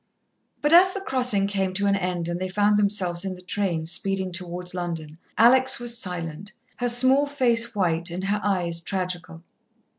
But as the crossing came to an end and they found themselves in the train speeding towards London, Alex was silent, her small face white and her eyes tragical.